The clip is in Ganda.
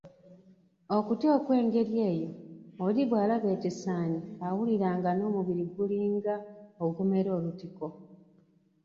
Okutya okw'engeri eyo, oli bw'alaba ekisaanyi awulira nga n'omubiri gulinga ogumera olutiko